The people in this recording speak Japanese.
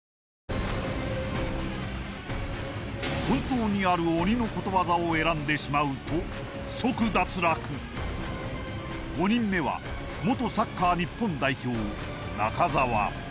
本当にある鬼のことわざを選んでしまうと即脱落５人目は元サッカー日本代表・中澤